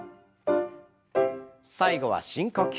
最後は深呼吸。